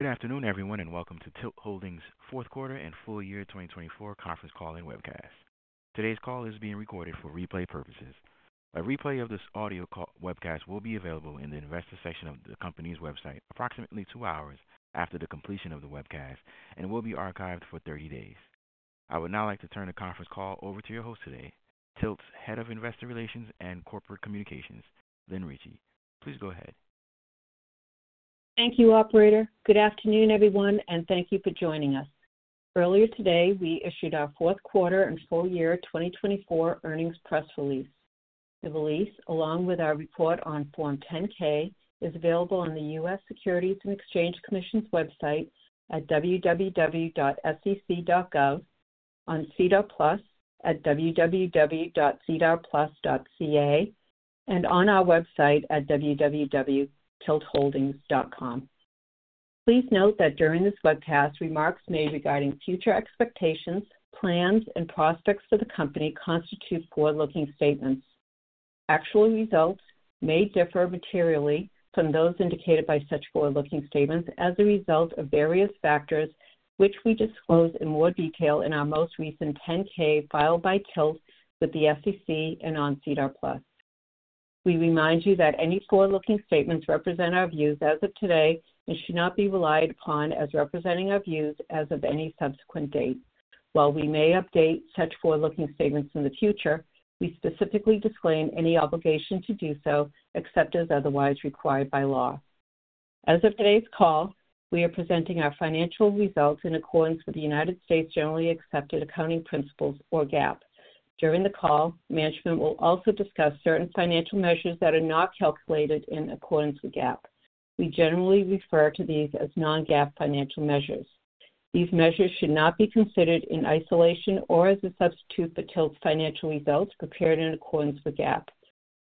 Good afternoon, everyone, and welcome to TILT Holdings' Fourth Quarter and Full Year 2024 Conference Call and Webcast. Today's call is being recorded for replay purposes. A replay of this audio webcast will be available in the investor section of the company's website approximately two hours after the completion of the webcast and will be archived for 30 days. I would now like to turn the conference call over to your host today, TILT's Head of Investor Relations and Corporate Communications, Lynn Ricci. Please go ahead. Thank you, Operator. Good afternoon, everyone, and thank you for joining us. Earlier today, we issued our fourth quarter and full year 2024 earnings press release. The release, along with our report on Form 10-K, is available on the U.S. Securities and Exchange Commission's website at www.sec.gov, on SEDAR+ at www.sedarplus.ca, and on our website at www.tiltholdings.com. Please note that during this webcast, remarks made regarding future expectations, plans, and prospects for the company constitute forward-looking statements. Actual results may differ materially from those indicated by such forward-looking statements as a result of various factors, which we disclose in more detail in our most recent 10-K filed by TILT with the SEC and on SEDAR+. We remind you that any forward-looking statements represent our views as of today and should not be relied upon as representing our views as of any subsequent date. While we may update such forward-looking statements in the future, we specifically disclaim any obligation to do so except as otherwise required by law. As of today's call, we are presenting our financial results in accordance with the United States Generally Accepted Accounting Principles, or GAAP. During the call, management will also discuss certain financial measures that are not calculated in accordance with GAAP. We generally refer to these as non-GAAP financial measures. These measures should not be considered in isolation or as a substitute for TILT's financial results prepared in accordance with GAAP.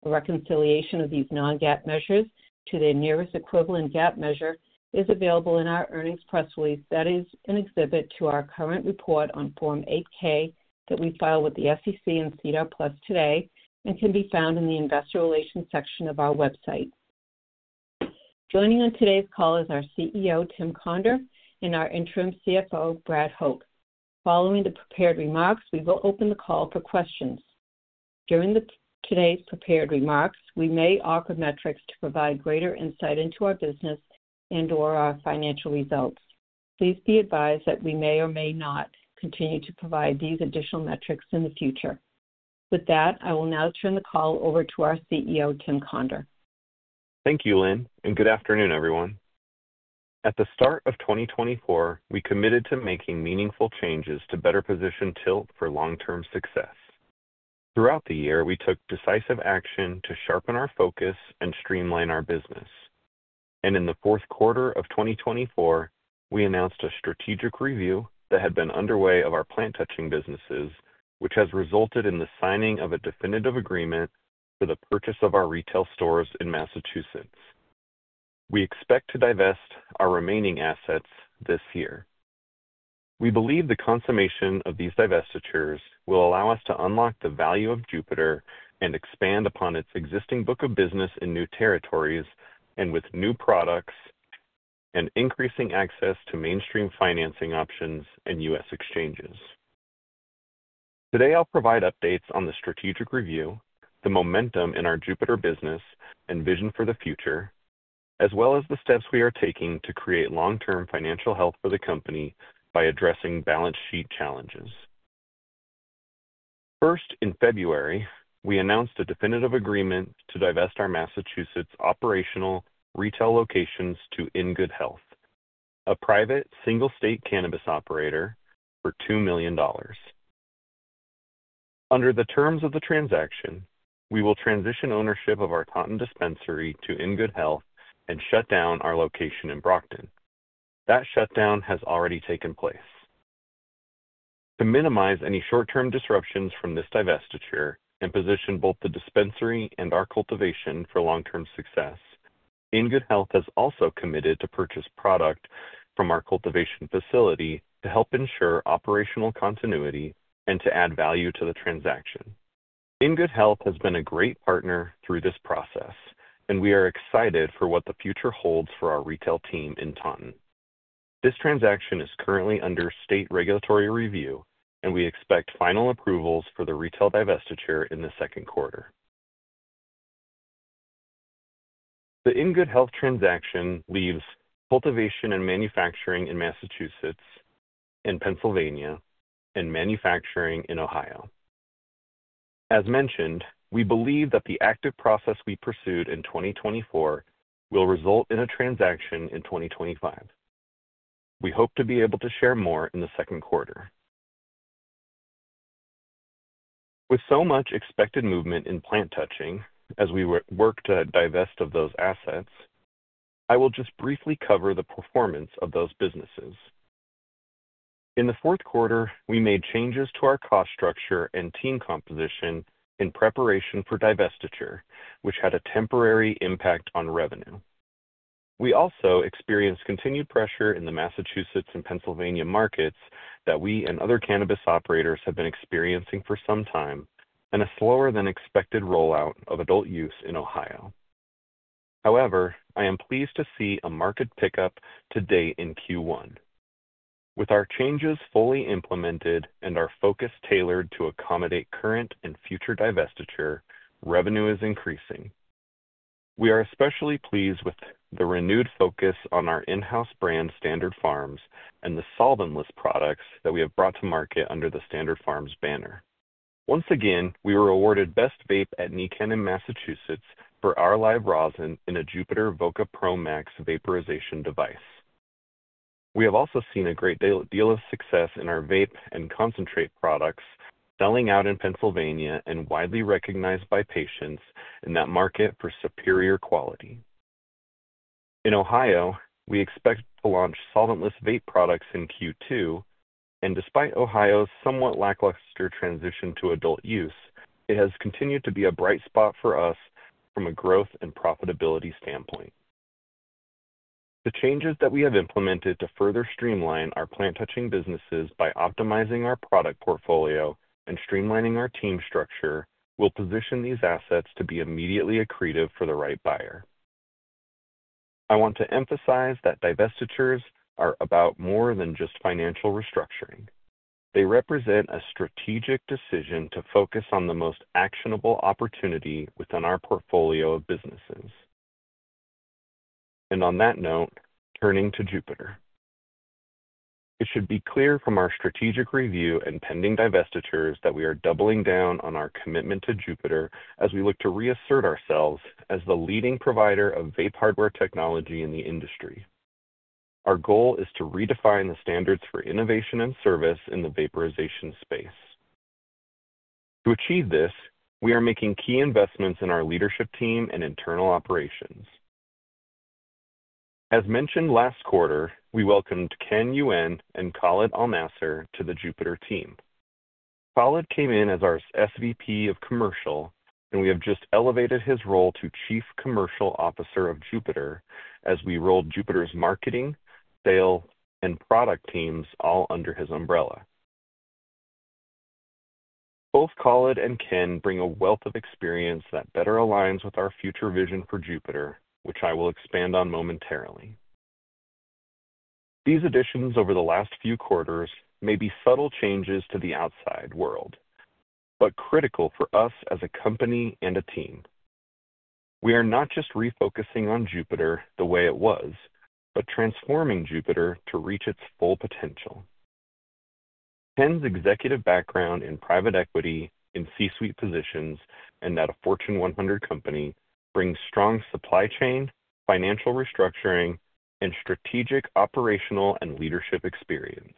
A reconciliation of these non-GAAP measures to their nearest equivalent GAAP measure is available in our earnings press release that is an exhibit to our current report on Form 8-K that we filed with the SEC and CDOT Plus today and can be found in the investor relations section of our website. Joining on today's call is our CEO, Tim Conder, and our interim CFO, Brad Hoch. Following the prepared remarks, we will open the call for questions. During today's prepared remarks, we may offer metrics to provide greater insight into our business and/or our financial results. Please be advised that we may or may not continue to provide these additional metrics in the future. With that, I will now turn the call over to our CEO, Tim Conder. Thank you, Lynn, and good afternoon, everyone. At the start of 2024, we committed to making meaningful changes to better position TILT for long-term success. Throughout the year, we took decisive action to sharpen our focus and streamline our business. In the fourth quarter of 2024, we announced a strategic review that had been underway of our plant-touching businesses, which has resulted in the signing of a definitive agreement for the purchase of our retail stores in Massachusetts. We expect to divest our remaining assets this year. We believe the consummation of these divestitures will allow us to unlock the value of Jupiter and expand upon its existing book of business in new territories and with new products and increasing access to mainstream financing options and U.S. exchanges. Today, I'll provide updates on the strategic review, the momentum in our Jupiter business and vision for the future, as well as the steps we are taking to create long-term financial health for the company by addressing balance sheet challenges. First, in February, we announced a definitive agreement to divest our Massachusetts operational retail locations to In good Health, a private single-state cannabis operator, for $2 million. Under the terms of the transaction, we will transition ownership of our Taunton dispensary to In good Health and shut down our location in Brockton. That shutdown has already taken place. To minimize any short-term disruptions from this divestiture and position both the dispensary and our cultivation for long-term success, In good Health has also committed to purchase product from our cultivation facility to help ensure operational continuity and to add value to the transaction. In good Health has been a great partner through this process, and we are excited for what the future holds for our retail team in Taunton. This transaction is currently under state regulatory review, and we expect final approvals for the retail divestiture in the second quarter. The In good Health transaction leaves cultivation and manufacturing in Massachusetts and Pennsylvania and manufacturing in Ohio. As mentioned, we believe that the active process we pursued in 2024 will result in a transaction in 2025. We hope to be able to share more in the second quarter. With so much expected movement in plant touching as we work to divest of those assets, I will just briefly cover the performance of those businesses. In the fourth quarter, we made changes to our cost structure and team composition in preparation for divestiture, which had a temporary impact on revenue. We also experienced continued pressure in the Massachusetts and Pennsylvania markets that we and other cannabis operators have been experiencing for some time and a slower-than-expected rollout of adult use in Ohio. However, I am pleased to see a market pickup to date in Q1. With our changes fully implemented and our focus tailored to accommodate current and future divestiture, revenue is increasing. We are especially pleased with the renewed focus on our in-house brand Standard Farms and the solventless products that we have brought to market under the Standard Farms banner. Once again, we were awarded Best Vape at NECANN in Massachusetts for our live rosin in a Jupiter Voca Pro Max vaporization device. We have also seen a great deal of success in our vape and concentrate products selling out in Pennsylvania and widely recognized by patients in that market for superior quality. In Ohio, we expect to launch solventless vape products in Q2, and despite Ohio's somewhat lackluster transition to adult use, it has continued to be a bright spot for us from a growth and profitability standpoint. The changes that we have implemented to further streamline our plant-touching businesses by optimizing our product portfolio and streamlining our team structure will position these assets to be immediately accretive for the right buyer. I want to emphasize that divestitures are about more than just financial restructuring. They represent a strategic decision to focus on the most actionable opportunity within our portfolio of businesses. Turning to Jupiter, it should be clear from our strategic review and pending divestitures that we are doubling down on our commitment to Jupiter as we look to reassert ourselves as the leading provider of vape hardware technology in the industry. Our goal is to redefine the standards for innovation and service in the vaporization space. To achieve this, we are making key investments in our leadership team and internal operations. As mentioned last quarter, we welcomed Ken Yuan and Khalid Al-Naser to the Jupiter team. Khalid came in as our SVP of Commercial, and we have just elevated his role to Chief Commercial Officer of Jupiter as we rolled Jupiter's marketing, sale, and product teams all under his umbrella. Both Khalid and Ken bring a wealth of experience that better aligns with our future vision for Jupiter, which I will expand on momentarily. These additions over the last few quarters may be subtle changes to the outside world, but critical for us as a company and a team. We are not just refocusing on Jupiter the way it was, but transforming Jupiter to reach its full potential. Ken's executive background in private equity in C-suite positions and at a Fortune 100 company brings strong supply chain, financial restructuring, and strategic operational and leadership experience.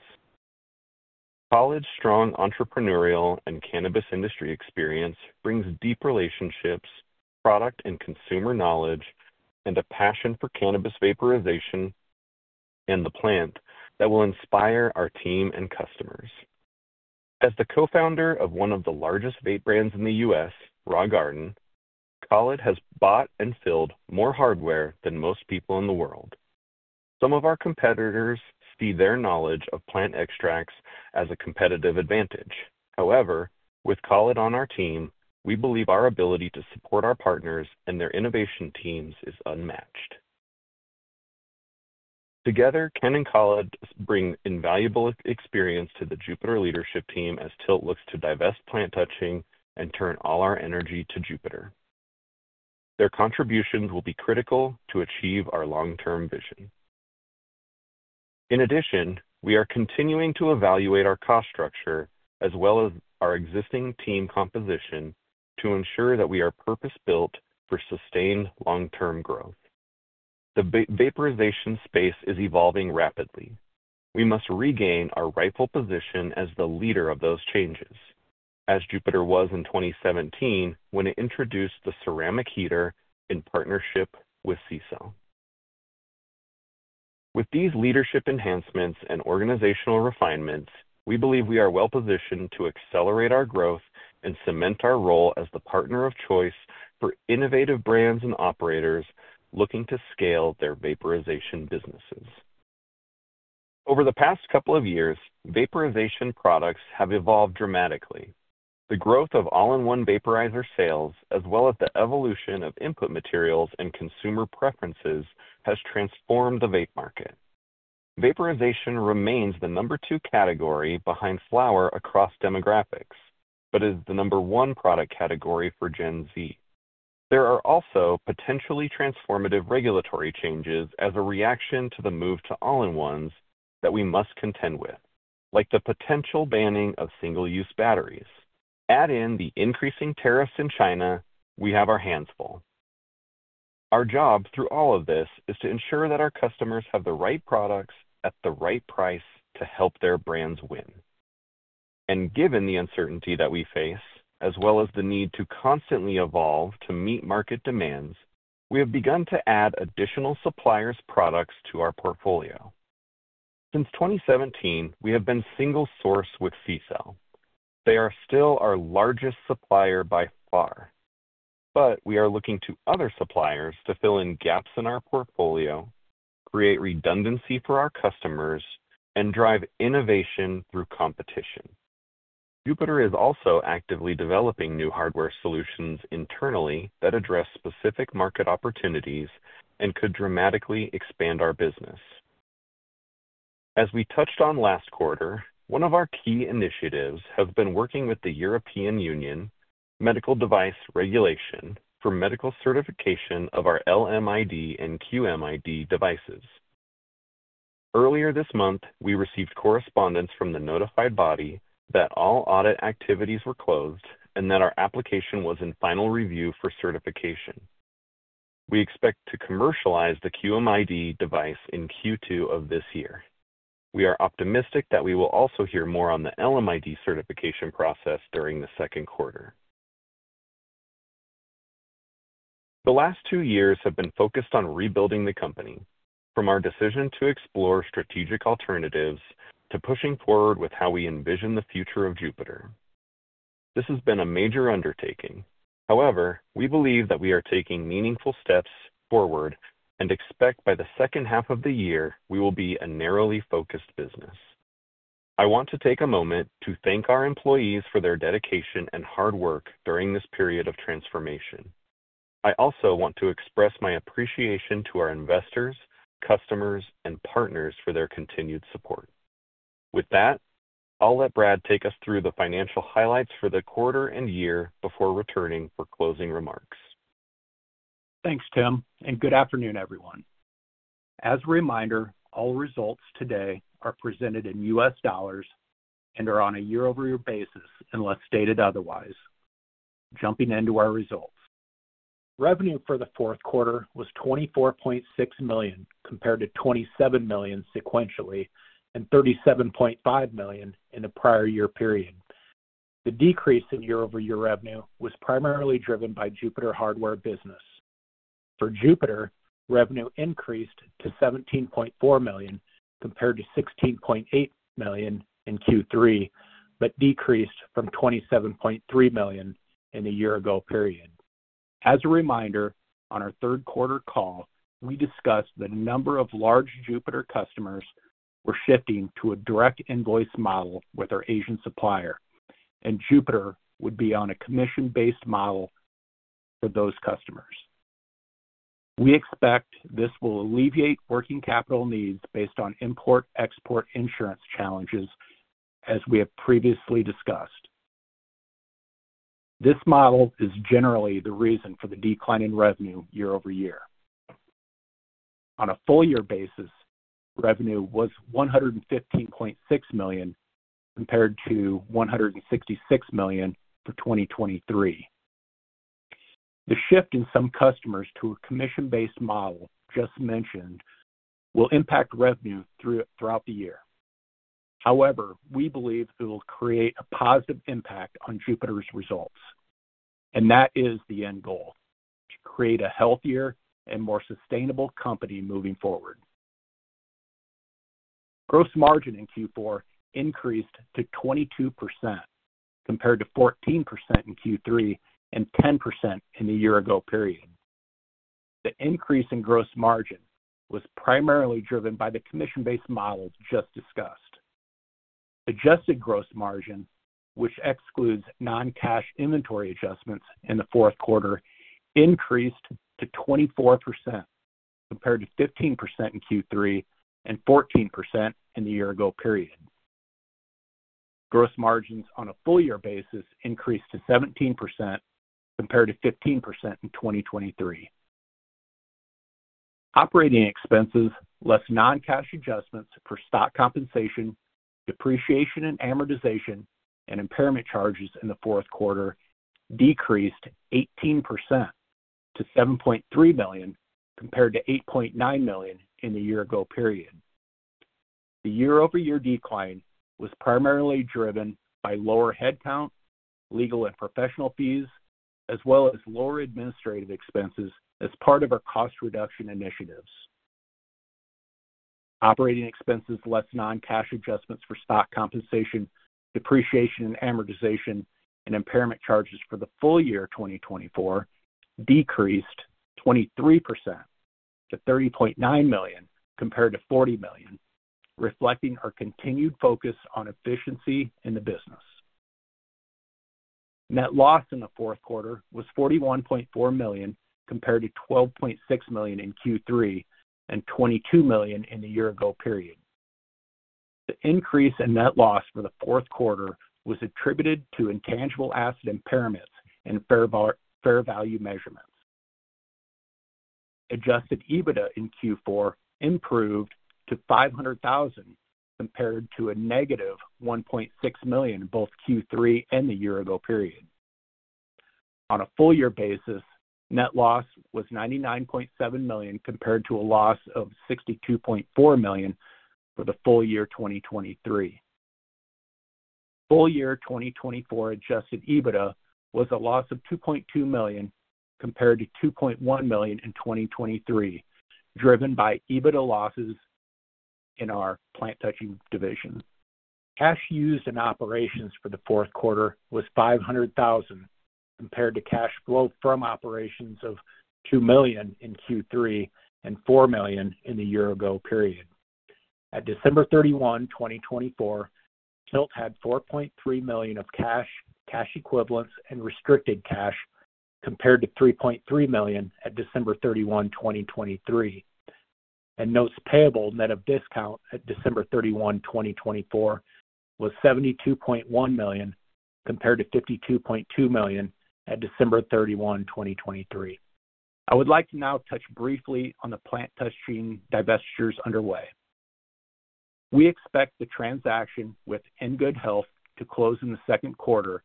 Khalid's strong entrepreneurial and cannabis industry experience brings deep relationships, product and consumer knowledge, and a passion for cannabis vaporization and the plant that will inspire our team and customers. As the co-founder of one of the largest vape brands in the U.S., Raw Garden, Khalid has bought and filled more hardware than most people in the world. Some of our competitors see their knowledge of plant extracts as a competitive advantage. However, with Khalid on our team, we believe our ability to support our partners and their innovation teams is unmatched. Together, Ken and Khalid bring invaluable experience to the Jupiter leadership team as TILT looks to divest plant touching and turn all our energy to Jupiter. Their contributions will be critical to achieve our long-term vision. In addition, we are continuing to evaluate our cost structure as well as our existing team composition to ensure that we are purpose-built for sustained long-term growth. The vaporization space is evolving rapidly. We must regain our rightful position as the leader of those changes, as Jupiter was in 2017 when it introduced the ceramic heater in partnership with CCELL. With these leadership enhancements and organizational refinements, we believe we are well-positioned to accelerate our growth and cement our role as the partner of choice for innovative brands and operators looking to scale their vaporization businesses. Over the past couple of years, vaporization products have evolved dramatically. The growth of all-in-one vaporizer sales, as well as the evolution of input materials and consumer preferences, has transformed the vape market. Vaporization remains the number two category behind flower across demographics, but is the number one product category for Gen Z. There are also potentially transformative regulatory changes as a reaction to the move to all-in-ones that we must contend with, like the potential banning of single-use batteries. Add in the increasing tariffs in China, we have our hands full. Our job through all of this is to ensure that our customers have the right products at the right price to help their brands win. Given the uncertainty that we face, as well as the need to constantly evolve to meet market demands, we have begun to add additional suppliers' products to our portfolio. Since 2017, we have been single-source with CCELL. They are still our largest supplier by far, but we are looking to other suppliers to fill in gaps in our portfolio, create redundancy for our customers, and drive innovation through competition. Jupiter is also actively developing new hardware solutions internally that address specific market opportunities and could dramatically expand our business. As we touched on last quarter, one of our key initiatives has been working with the European Union Medical Device Regulation for medical certification of our LMID and QMID devices. Earlier this month, we received correspondence from the notified body that all audit activities were closed and that our application was in final review for certification. We expect to commercialize the QMID device in Q2 of this year. We are optimistic that we will also hear more on the LMID certification process during the second quarter. The last two years have been focused on rebuilding the company, from our decision to explore strategic alternatives to pushing forward with how we envision the future of Jupiter. This has been a major undertaking. However, we believe that we are taking meaningful steps forward and expect by the second half of the year we will be a narrowly focused business. I want to take a moment to thank our employees for their dedication and hard work during this period of transformation. I also want to express my appreciation to our investors, customers, and partners for their continued support. With that, I'll let Brad take us through the financial highlights for the quarter and year before returning for closing remarks. Thanks, Tim, and good afternoon, everyone. As a reminder, all results today are presented in U.S. dollars and are on a year-over-year basis, unless stated otherwise. Jumping into our results, revenue for the fourth quarter was $24.6 million compared to $27 million sequentially and $37.5 million in the prior year period. The decrease in year-over-year revenue was primarily driven by Jupiter hardware business. For Jupiter, revenue increased to $17.4 million compared to $16.8 million in Q3, but decreased from $27.3 million in the year-ago period. As a reminder, on our third quarter call, we discussed the number of large Jupiter customers were shifting to a direct invoice model with our Asian supplier, and Jupiter would be on a commission-based model for those customers. We expect this will alleviate working capital needs based on import-export insurance challenges, as we have previously discussed. This model is generally the reason for the decline in revenue year-over-year. On a full-year basis, revenue was $115.6 million compared to $166 million for 2023. The shift in some customers to a commission-based model just mentioned will impact revenue throughout the year. However, we believe it will create a positive impact on Jupiter's results, and that is the end goal: to create a healthier and more sustainable company moving forward. Gross margin in Q4 increased to 22% compared to 14% in Q3 and 10% in the year-ago period. The increase in gross margin was primarily driven by the commission-based model just discussed. Adjusted gross margin, which excludes non-cash inventory adjustments in the fourth quarter, increased to 24% compared to 15% in Q3 and 14% in the year-ago period. Gross margins on a full-year basis increased to 17% compared to 15% in 2023. Operating expenses less non-cash adjustments for stock compensation, depreciation and amortization, and impairment charges in the fourth quarter decreased 18% to $7.3 million compared to $8.9 million in the year-ago period. The year-over-year decline was primarily driven by lower headcount, legal and professional fees, as well as lower administrative expenses as part of our cost reduction initiatives. Operating expenses less non-cash adjustments for stock compensation, depreciation and amortization, and impairment charges for the full year 2024 decreased 23% to $30.9 million compared to $40 million, reflecting our continued focus on efficiency in the business. Net loss in the fourth quarter was $41.4 million compared to $12.6 million in Q3 and $22 million in the year-ago period. The increase in net loss for the fourth quarter was attributed to intangible asset impairments and fair value measurements. Adjusted EBITDA in Q4 improved to $500,000 compared to a negative $1.6 million in both Q3 and the year-ago period. On a full-year basis, net loss was $99.7 million compared to a loss of $62.4 million for the full year 2023. Full year 2024 Adjusted EBITDA was a loss of $2.2 million compared to $2.1 million in 2023, driven by EBITDA losses in our plant touching division. Cash used in operations for the fourth quarter was $500,000 compared to cash flow from operations of $2 million in Q3 and $4 million in the year-ago period. At December 31, 2024, TILT had $4.3 million of cash, cash equivalents, and restricted cash compared to $3.3 million at December 31, 2023. Notes payable net of discount at December 31, 2024, was $72.1 million compared to $52.2 million at December 31, 2023. I would like to now touch briefly on the plant touching divestitures underway. We expect the transaction with In good Health to close in the second quarter,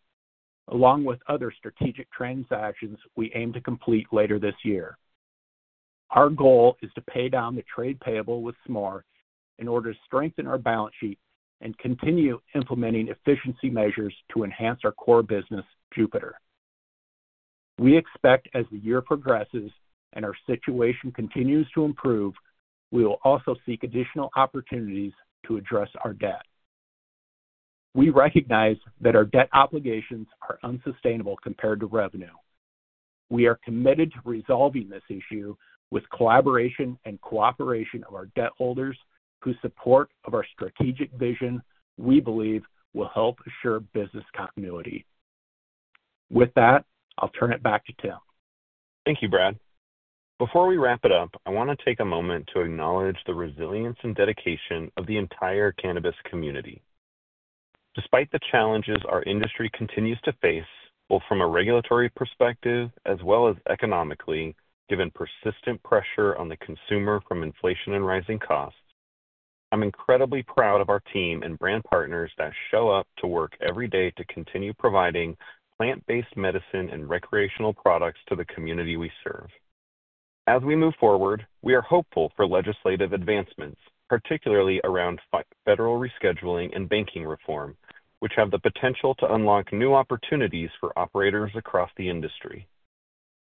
along with other strategic transactions we aim to complete later this year. Our goal is to pay down the trade payable with Smoore in order to strengthen our balance sheet and continue implementing efficiency measures to enhance our core business, Jupiter. We expect as the year progresses and our situation continues to improve, we will also seek additional opportunities to address our debt. We recognize that our debt obligations are unsustainable compared to revenue. We are committed to resolving this issue with collaboration and cooperation of our debt holders whose support of our strategic vision we believe will help assure business continuity. With that, I'll turn it back to Tim. Thank you, Brad. Before we wrap it up, I want to take a moment to acknowledge the resilience and dedication of the entire cannabis community. Despite the challenges our industry continues to face, both from a regulatory perspective as well as economically, given persistent pressure on the consumer from inflation and rising costs, I'm incredibly proud of our team and brand partners that show up to work every day to continue providing plant-based medicine and recreational products to the community we serve. As we move forward, we are hopeful for legislative advancements, particularly around federal rescheduling and banking reform, which have the potential to unlock new opportunities for operators across the industry.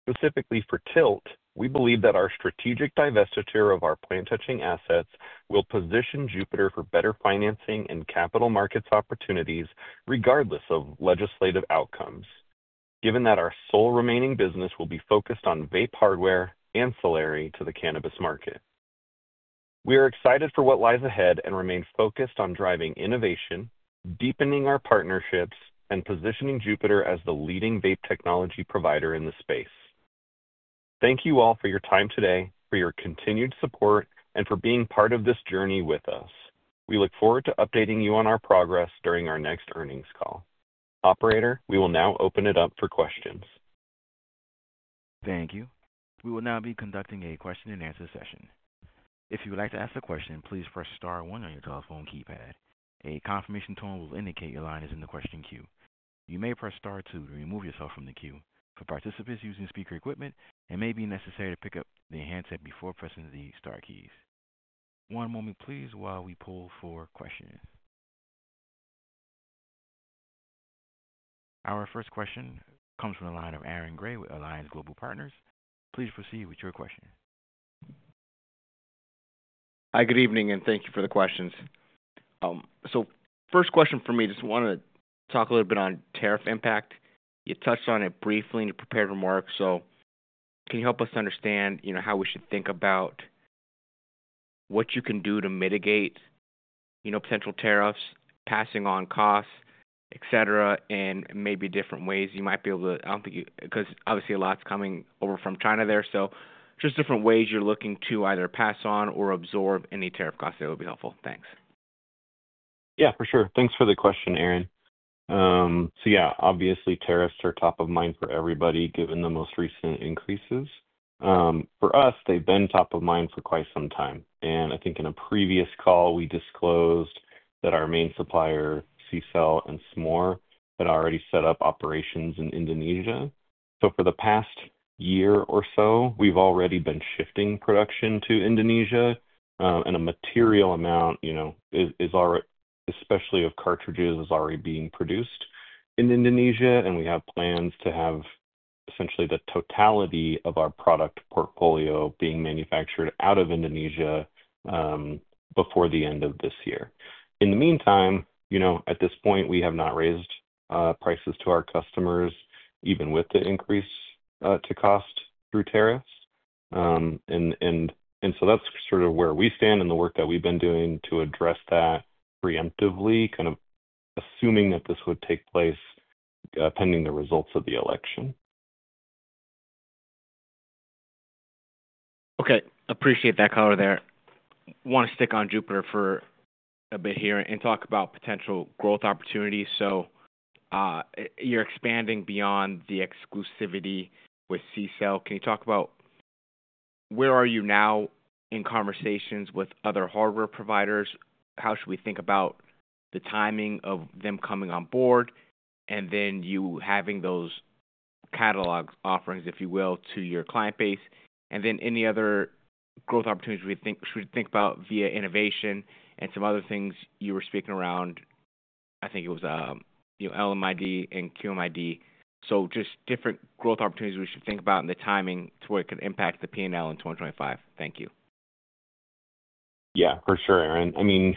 Specifically for TILT, we believe that our strategic divestiture of our plant touching assets will position Jupiter for better financing and capital markets opportunities, regardless of legislative outcomes, given that our sole remaining business will be focused on vape hardware ancillary to the cannabis market. We are excited for what lies ahead and remain focused on driving innovation, deepening our partnerships, and positioning Jupiter as the leading vape technology provider in the space. Thank you all for your time today, for your continued support, and for being part of this journey with us. We look forward to updating you on our progress during our next earnings call. Operator, we will now open it up for questions. Thank you. We will now be conducting a question-and-answer session. If you would like to ask a question, please press star one on your telephone keypad. A confirmation tone will indicate your line is in the question queue. You may press star two to remove yourself from the queue. For participants using speaker equipment, it may be necessary to pick up the handset before pressing the star keys. One moment, please, while we pull for questions. Our first question comes from the line of Aaron Grey with Alliance Global Partners. Please proceed with your question. Hi, good evening, and thank you for the questions. First question for me, just want to talk a little bit on tariff impact. You touched on it briefly in your prepared remarks. Can you help us understand how we should think about what you can do to mitigate potential tariffs, passing on costs, etc., and maybe different ways you might be able to—I do not think you—because obviously a lot's coming over from China there. Just different ways you're looking to either pass on or absorb any tariff costs. That would be helpful. Thanks. Yeah, for sure. Thanks for the question, Aaron. Yeah, obviously tariffs are top of mind for everybody given the most recent increases. For us, they've been top of mind for quite some time. I think in a previous call, we disclosed that our main supplier, CCELL and Smoore, had already set up operations in Indonesia. For the past year or so, we've already been shifting production to Indonesia, and a material amount, especially of cartridges, is already being produced in Indonesia. We have plans to have essentially the totality of our product portfolio being manufactured out of Indonesia before the end of this year. In the meantime, at this point, we have not raised prices to our customers, even with the increase to cost through tariffs. That is sort of where we stand and the work that we have been doing to address that preemptively, kind of assuming that this would take place pending the results of the election. Okay. Appreciate that, Conder. Want to stick on Jupiter for a bit here and talk about potential growth opportunities. You are expanding beyond the exclusivity with CCELL. Can you talk about where are you now in conversations with other hardware providers? How should we think about the timing of them coming on board and then you having those catalog offerings, if you will, to your client base? Any other growth opportunities we should think about via innovation and some other things you were speaking around? I think it was LMID and QMID. Just different growth opportunities we should think about and the timing to where it could impact the P&L in 2025. Thank you. Yeah, for sure, Aaron. I mean,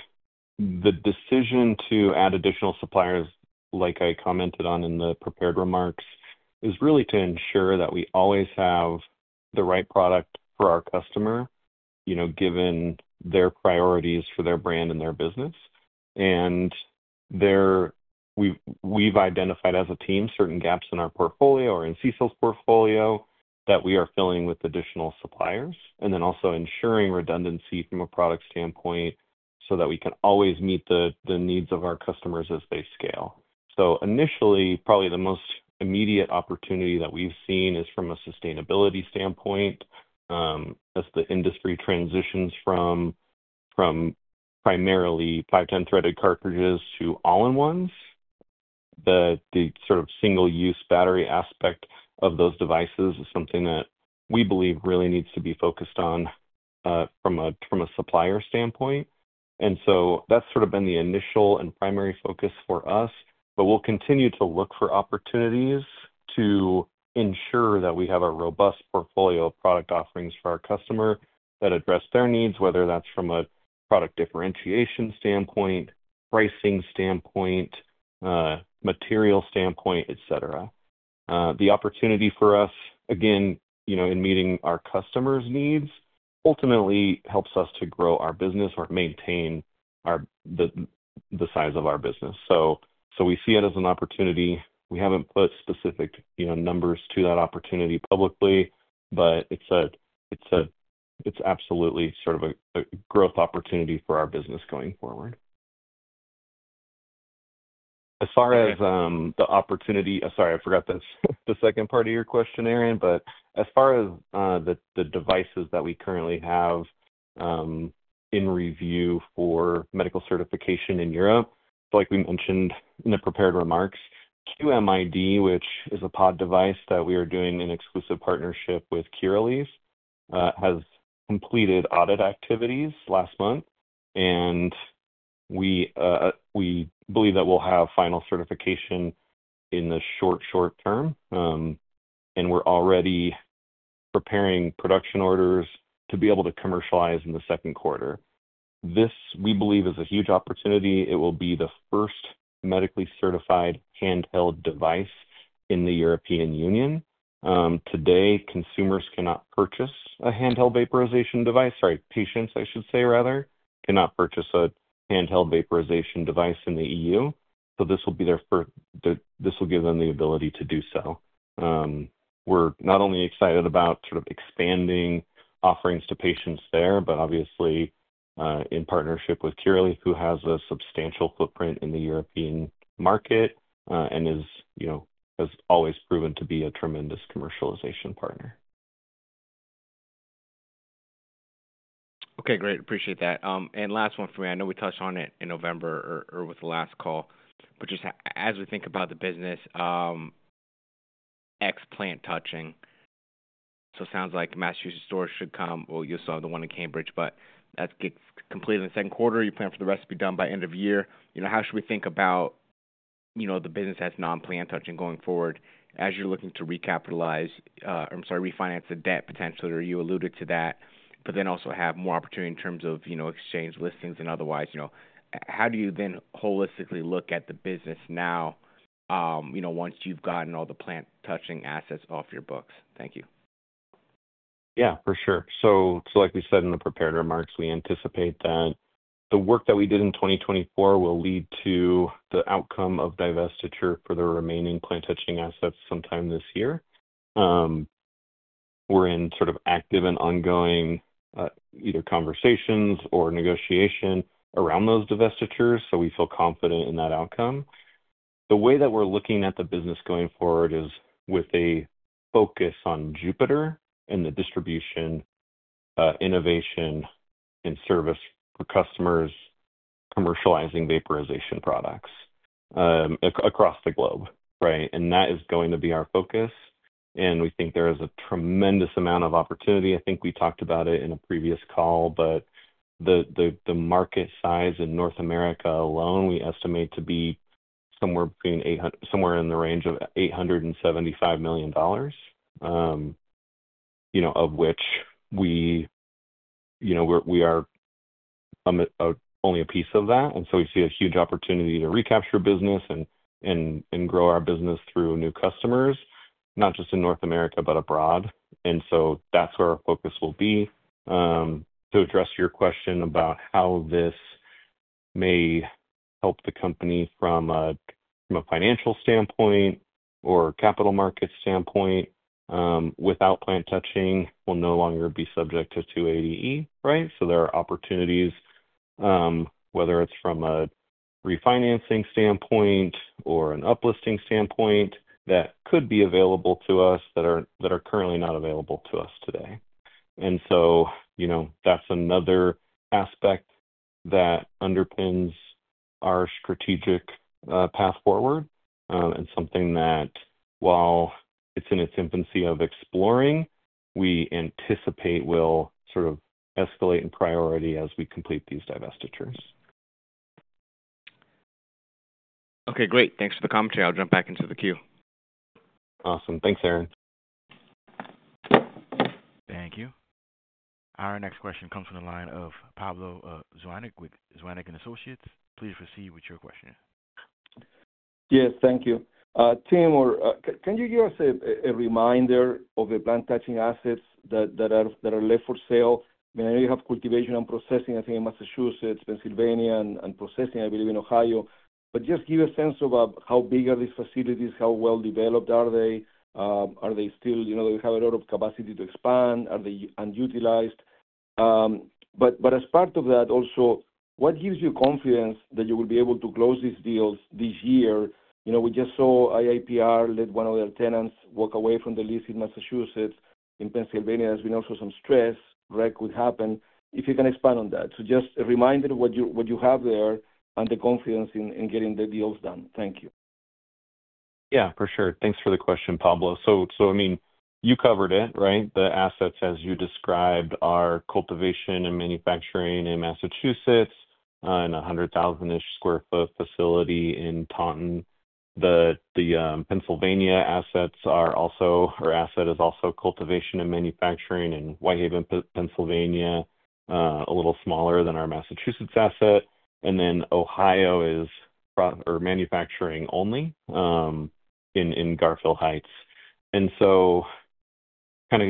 the decision to add additional suppliers, like I commented on in the prepared remarks, is really to ensure that we always have the right product for our customer, given their priorities for their brand and their business. We've identified as a team certain gaps in our portfolio or in CCELL's portfolio that we are filling with additional suppliers, and then also ensuring redundancy from a product standpoint so that we can always meet the needs of our customers as they scale. Initially, probably the most immediate opportunity that we've seen is from a sustainability standpoint as the industry transitions from primarily 510-threaded cartridges to all-in-ones. The sort of single-use battery aspect of those devices is something that we believe really needs to be focused on from a supplier standpoint. That is sort of been the initial and primary focus for us, but we will continue to look for opportunities to ensure that we have a robust portfolio of product offerings for our customer that address their needs, whether that is from a product differentiation standpoint, pricing standpoint, material standpoint, etc. The opportunity for us, again, in meeting our customers' needs, ultimately helps us to grow our business or maintain the size of our business. We see it as an opportunity. We have not put specific numbers to that opportunity publicly, but it is absolutely sort of a growth opportunity for our business going forward. As far as the opportunity—sorry, I forgot the second part of your question, Aaron, but as far as the devices that we currently have in review for medical certification in Europe, like we mentioned in the prepared remarks, QMID, which is a pod device that we are doing in exclusive partnership with Curaleaf, has completed audit activities last month, and we believe that we'll have final certification in the short, short term. We are already preparing production orders to be able to commercialize in the second quarter. This, we believe, is a huge opportunity. It will be the first medically certified handheld device in the European Union. Today, consumers cannot purchase a handheld vaporization device—sorry, patients, I should say rather—cannot purchase a handheld vaporization device in the EU. This will be their first—this will give them the ability to do so. We're not only excited about sort of expanding offerings to patients there, but obviously in partnership with Curaleaf, who has a substantial footprint in the European market and has always proven to be a tremendous commercialization partner. Okay, great. Appreciate that. Last one for me. I know we touched on it in November or with the last call, but just as we think about the business, X plant touching. It sounds like Massachusetts' store should come—well, you saw the one in Cambridge, but that's completed in the second quarter. You plan for the rest to be done by end of year. How should we think about the business as non-plant touching going forward as you're looking to recapitalize—I'm sorry, refinance the debt potentially, or you alluded to that, but then also have more opportunity in terms of exchange listings and otherwise? How do you then holistically look at the business now once you've gotten all the plant touching assets off your books? Thank you. Yeah, for sure. Like we said in the prepared remarks, we anticipate that the work that we did in 2024 will lead to the outcome of divestiture for the remaining plant touching assets sometime this year. We're in sort of active and ongoing either conversations or negotiation around those divestitures, so we feel confident in that outcome. The way that we're looking at the business going forward is with a focus on Jupiter and the distribution innovation and service for customers commercializing vaporization products across the globe, right? That is going to be our focus. We think there is a tremendous amount of opportunity. I think we talked about it in a previous call, but the market size in North America alone, we estimate to be somewhere in the range of $875 million, of which we are only a piece of that. We see a huge opportunity to recapture business and grow our business through new customers, not just in North America, but abroad. That is where our focus will be. To address your question about how this may help the company from a financial standpoint or capital market standpoint, without plant touching, we will no longer be subject to 280E, right? There are opportunities, whether it is from a refinancing standpoint or an uplifting standpoint, that could be available to us that are currently not available to us today. That is another aspect that underpins our strategic path forward and something that, while it is in its infancy of exploring, we anticipate will sort of escalate in priority as we complete these divestitures. Okay, great. Thanks for the commentary. I'll jump back into the queue. Awesome. Thanks, Aaron. Thank you. Our next question comes from the line of Pablo Zuanic with Zuanic & Associates. Please proceed with your question. Yes, thank you. Tim, can you give us a reminder of the plant touching assets that are left for sale? I mean, I know you have cultivation and processing, I think, in Massachusetts, Pennsylvania, and processing, I believe, in Ohio. Just give a sense of how big are these facilities, how well developed are they? Do they have a lot of capacity to expand? Are they unutilized? As part of that, also, what gives you confidence that you will be able to close these deals this year? We just saw IIPR let one of their tenants walk away from the lease in Massachusetts. In Pennsylvania, there's been also some stress. Wreck could happen. If you can expand on that. Just a reminder of what you have there and the confidence in getting the deals done. Thank you. Yeah, for sure. Thanks for the question, Pablo. I mean, you covered it, right? The assets, as you described, are cultivation and manufacturing in Massachusetts and a 100,000-ish sq ft facility in Taunton. The Pennsylvania assets are also—our asset is also cultivation and manufacturing in White Haven, Pennsylvania, a little smaller than our Massachusetts asset. Ohio is manufacturing only in Garfield Heights. Kind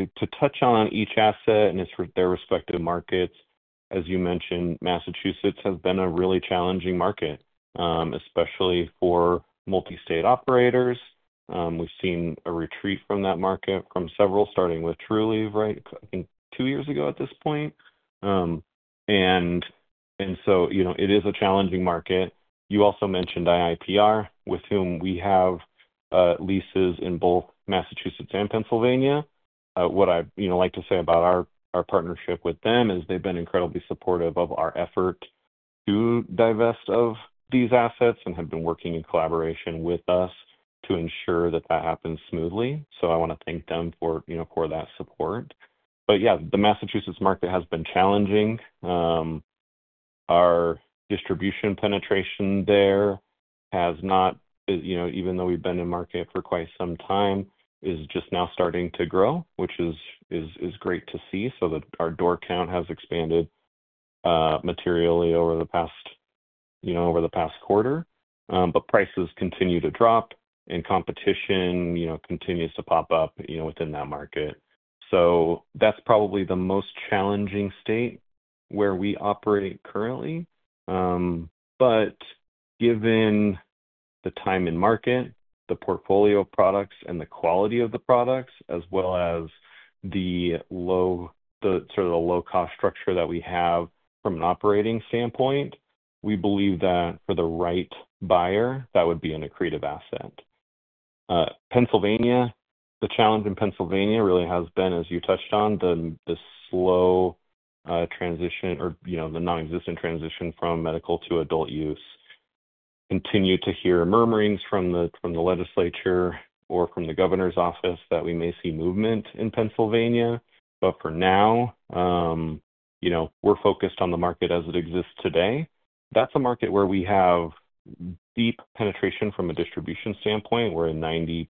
of to touch on each asset and their respective markets, as you mentioned, Massachusetts has been a really challenging market, especially for multi-state operators. We've seen a retreat from that market from several, starting with Trulieve, right, I think two years ago at this point. It is a challenging market. You also mentioned IIPR, with whom we have leases in both Massachusetts and Pennsylvania. What I'd like to say about our partnership with them is they've been incredibly supportive of our effort to divest of these assets and have been working in collaboration with us to ensure that that happens smoothly. I want to thank them for that support. The Massachusetts market has been challenging. Our distribution penetration there has not—even though we've been in market for quite some time—is just now starting to grow, which is great to see. Our door count has expanded materially over the past quarter. Prices continue to drop, and competition continues to pop up within that market. That is probably the most challenging state where we operate currently. Given the time in market, the portfolio of products, and the quality of the products, as well as the sort of low-cost structure that we have from an operating standpoint, we believe that for the right buyer, that would be an accretive asset. Pennsylvania, the challenge in Pennsylvania really has been, as you touched on, the slow transition or the non-existent transition from medical to adult use. Continue to hear murmurings from the legislature or from the governor's office that we may see movement in Pennsylvania. For now, we're focused on the market as it exists today. That's a market where we have deep penetration from a distribution standpoint. We're in 90%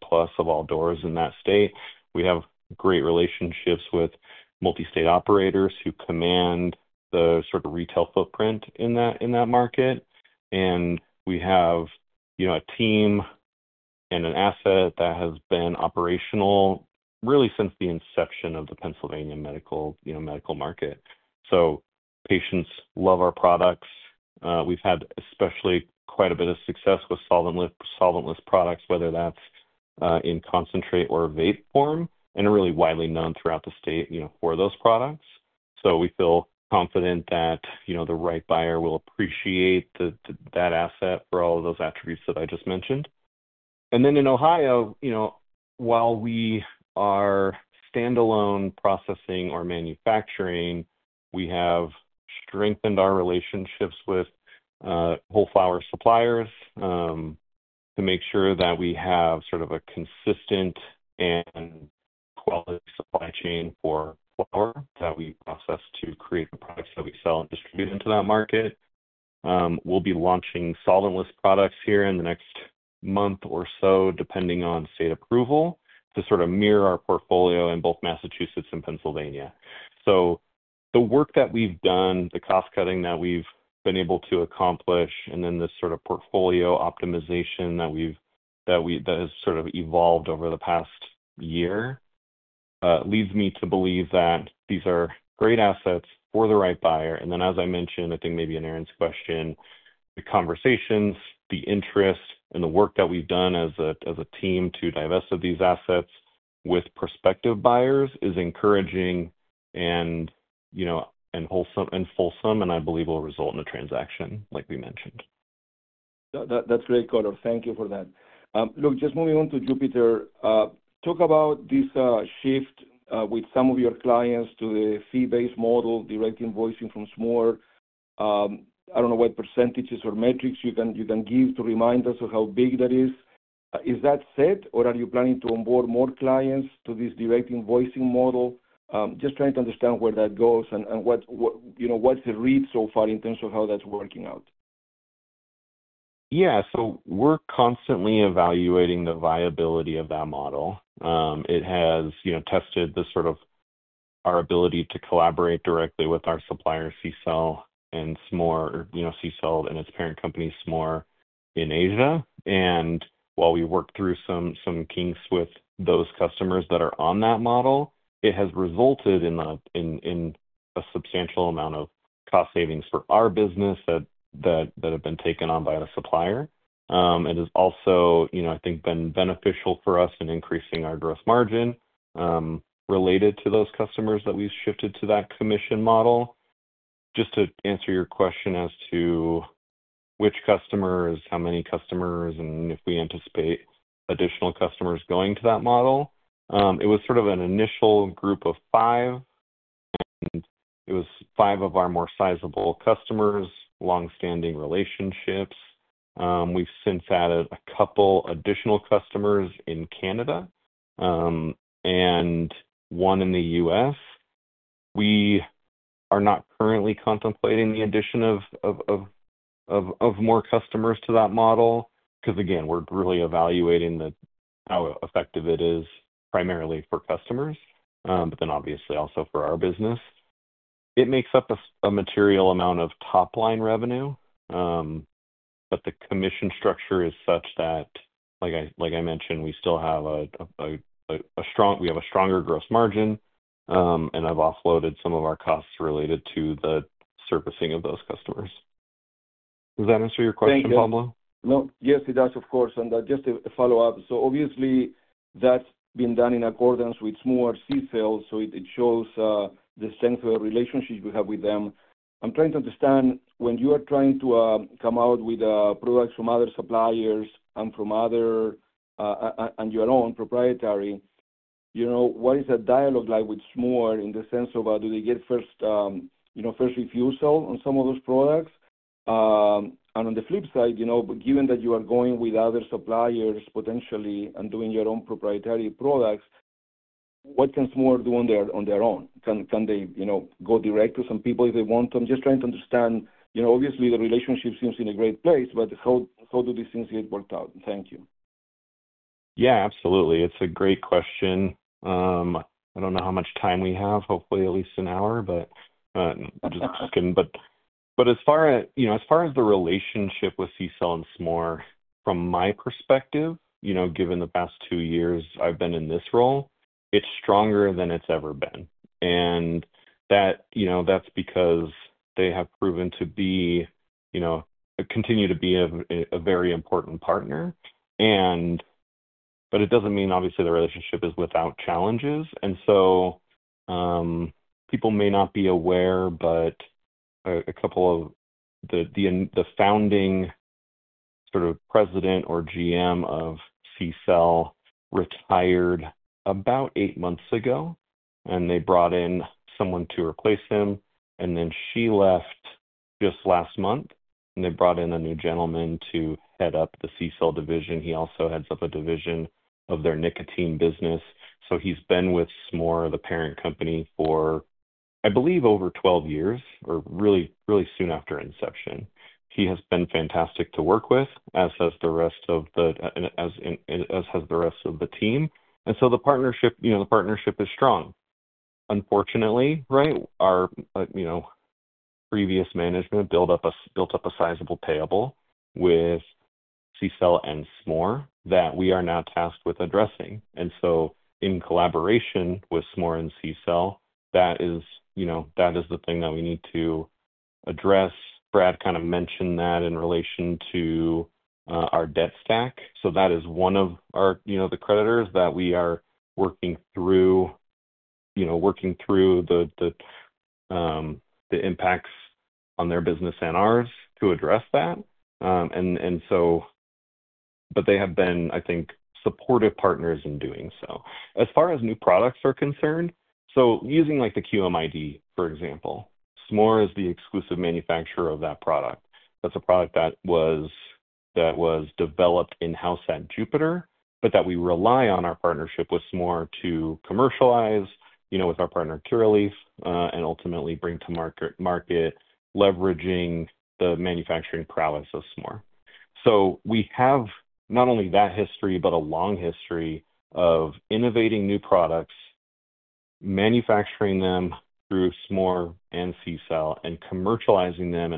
plus of all doors in that state. We have great relationships with multi-state operators who command the sort of retail footprint in that market. We have a team and an asset that has been operational really since the inception of the Pennsylvania medical market. Patients love our products. We've had especially quite a bit of success with solventless products, whether that's in concentrate or vape form, and are really widely known throughout the state for those products. We feel confident that the right buyer will appreciate that asset for all of those attributes that I just mentioned. In Ohio, while we are standalone processing or manufacturing, we have strengthened our relationships with whole flower suppliers to make sure that we have sort of a consistent and quality supply chain for flower that we process to create the products that we sell and distribute into that market. We'll be launching solventless products here in the next month or so, depending on state approval, to sort of mirror our portfolio in both Massachusetts and Pennsylvania. The work that we've done, the cost-cutting that we've been able to accomplish, and this sort of portfolio optimization that has sort of evolved over the past year leads me to believe that these are great assets for the right buyer. As I mentioned, I think maybe in Aaron's question, the conversations, the interest, and the work that we've done as a team to divest of these assets with prospective buyers is encouraging and wholesome, and I believe will result in a transaction like we mentioned. That's great, Conder. Thank you for that. Look, just moving on to Jupiter, talk about this shift with some of your clients to the fee-based model, direct invoicing from Smoore. I don't know what percentages or metrics you can give to remind us of how big that is. Is that set, or are you planning to onboard more clients to this direct invoicing model? Just trying to understand where that goes and what's the read so far in terms of how that's working out. Yeah. We are constantly evaluating the viability of that model. It has tested the sort of our ability to collaborate directly with our supplier, CCELL, and Smoore, CCELL, and its parent company, Smoore, in Asia. While we worked through some kinks with those customers that are on that model, it has resulted in a substantial amount of cost savings for our business that have been taken on by the supplier. It has also, I think, been beneficial for us in increasing our gross margin related to those customers that we have shifted to that commission model. Just to answer your question as to which customers, how many customers, and if we anticipate additional customers going to that model, it was sort of an initial group of five, and it was five of our more sizable customers, long-standing relationships. We've since added a couple additional customers in Canada and one in the U.S. We are not currently contemplating the addition of more customers to that model because, again, we're really evaluating how effective it is primarily for customers, but then obviously also for our business. It makes up a material amount of top-line revenue, but the commission structure is such that, like I mentioned, we still have a strong—we have a stronger gross margin, and I've offloaded some of our costs related to the servicing of those customers. Does that answer your question, Pablo? Yes, it does, of course. Just a follow-up. Obviously, that's been done in accordance with Smoore, CCELL, so it shows the strength of the relationship we have with them. I'm trying to understand when you are trying to come out with products from other suppliers and from other—and your own proprietary, what is that dialogue like with Smoore in the sense of do they get first refusal on some of those products? On the flip side, given that you are going with other suppliers potentially and doing your own proprietary products, what can Smoore do on their own? Can they go direct to some people if they want them? Just trying to understand. Obviously, the relationship seems in a great place, but how do these things get worked out? Thank you. Yeah, absolutely. It's a great question. I don't know how much time we have, hopefully at least an hour, just checking. As far as the relationship with CCELL and Smoore, from my perspective, given the past two years I've been in this role, it's stronger than it's ever been. That's because they have proven to be, continue to be, a very important partner. It does not mean, obviously, the relationship is without challenges. People may not be aware, but a couple of—the founding sort of president or GM of CCELL retired about eight months ago, and they brought in someone to replace him. She left just last month, and they brought in a new gentleman to head up the CCELL division. He also heads up a division of their nicotine business. He has been with Smoore, the parent company, for, I believe, over 12 years or really soon after inception. He has been fantastic to work with, as has the rest of the team. The partnership is strong. Unfortunately, our previous management built up a sizable payable with CCELL and Smoore that we are now tasked with addressing. In collaboration with Smoore and CCELL, that is the thing that we need to address. Brad kind of mentioned that in relation to our debt stack. That is one of the creditors that we are working through, working through the impacts on their business and ours to address that. They have been, I think, supportive partners in doing so. As far as new products are concerned, using the QMID, for example, Smoore is the exclusive manufacturer of that product. That's a product that was developed in-house at Jupiter, but that we rely on our partnership with Smoore to commercialize with our partner, Curaleaf, and ultimately bring to market, leveraging the manufacturing prowess of Smoore. We have not only that history, but a long history of innovating new products, manufacturing them through Smoore and CCELL, and commercializing them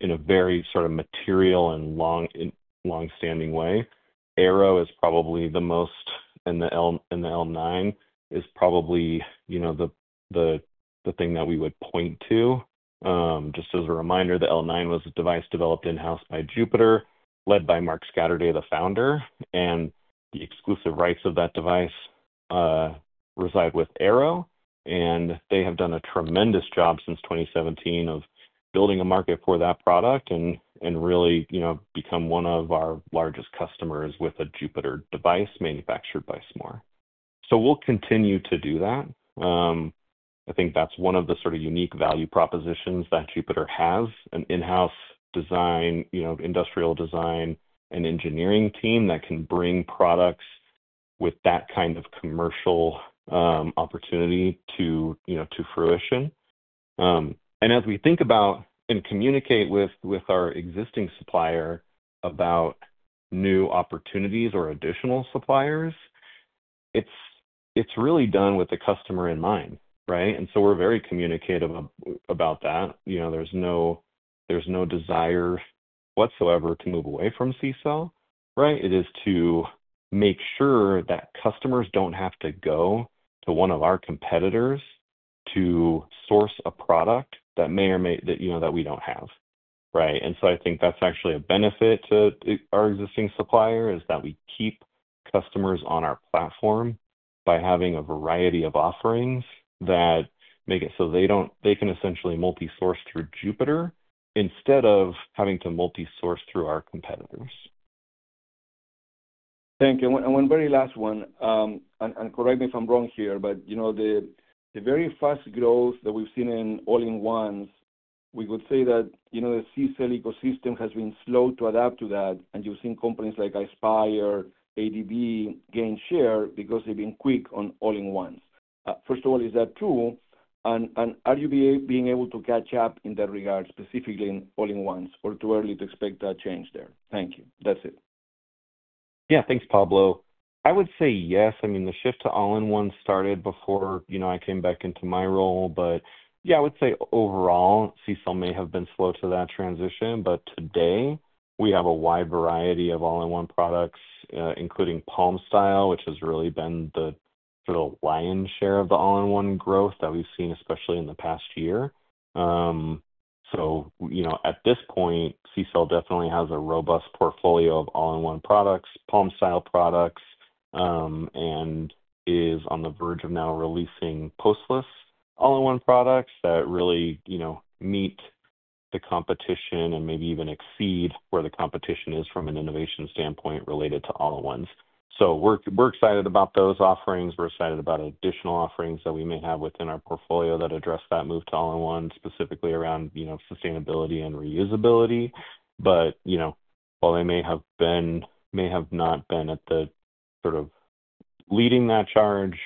in a very sort of material and long-standing way. Airo is probably the most, and the L9 is probably the thing that we would point to. Just as a reminder, the L9 was a device developed in-house by Jupiter, led by Mark Scatterday, the founder. The exclusive rights of that device reside with Airo. They have done a tremendous job since 2017 of building a market for that product and really become one of our largest customers with a Jupiter device manufactured by Smoore. We will continue to do that. I think that is one of the sort of unique value propositions that Jupiter has: an in-house design, industrial design, and engineering team that can bring products with that kind of commercial opportunity to fruition. As we think about and communicate with our existing supplier about new opportunities or additional suppliers, it is really done with the customer in mind, right? We are very communicative about that. There is no desire whatsoever to move away from CCELL, right? It is to make sure that customers do not have to go to one of our competitors to source a product that may or may not be one that we have, right? I think that's actually a benefit to our existing supplier is that we keep customers on our platform by having a variety of offerings that make it so they can essentially multi-source through Jupiter instead of having to multi-source through our competitors. Thank you. One very last one, and correct me if I'm wrong here, but the very fast growth that we've seen in all-in-ones, we could say that the CCELL ecosystem has been slow to adapt to that and using companies like Aspire, AVD, GainShare because they've been quick on all-in-ones. First of all, is that true? Are you being able to catch up in that regard, specifically in all-in-ones, or too early to expect that change there? Thank you. That's it. Yeah. Thanks, Pablo. I would say yes. I mean, the shift to all-in-one started before I came back into my role. Yeah, I would say overall, CCELL may have been slow to that transition, but today, we have a wide variety of all-in-one products, including Palm Style, which has really been the lion's share of the all-in-one growth that we've seen, especially in the past year. At this point, CCELL definitely has a robust portfolio of all-in-one products, Palm Style products, and is on the verge of now releasing postless all-in-one products that really meet the competition and maybe even exceed where the competition is from an innovation standpoint related to all-in-ones. We are excited about those offerings. We are excited about additional offerings that we may have within our portfolio that address that move to all-in-one, specifically around sustainability and reusability. While they may have not been at the sort of leading that charge,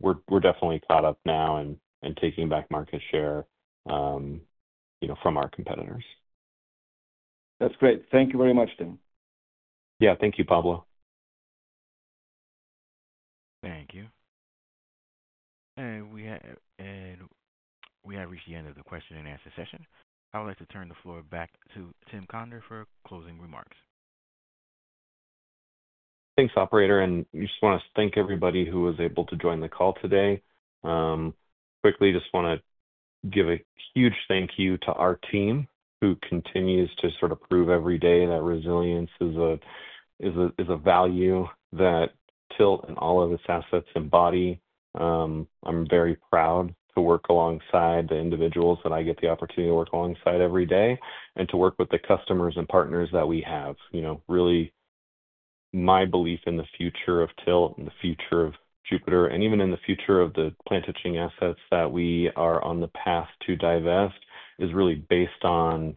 we're definitely caught up now and taking back market share from our competitors. That's great. Thank you very much, Tim. Yeah. Thank you, Pablo. Thank you. We have reached the end of the question and answer session. I would like to turn the floor back to Tim Conder for closing remarks. Thanks, Operator. I just want to thank everybody who was able to join the call today. Quickly, just want to give a huge thank you to our team who continues to sort of prove every day that resilience is a value that TILT and all of its assets embody. I'm very proud to work alongside the individuals that I get the opportunity to work alongside every day and to work with the customers and partners that we have. Really, my belief in the future of TILT and the future of Jupiter and even in the future of the plant-touching assets that we are on the path to divest is really based on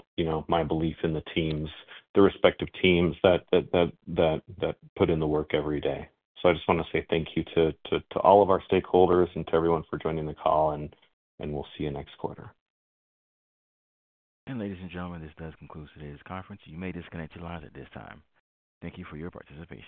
my belief in the teams, the respective teams that put in the work every day. I just want to say thank you to all of our stakeholders and to everyone for joining the call, and we'll see you next quarter. Ladies and gentlemen, this does conclude today's conference. You may disconnect your lines at this time. Thank you for your participation.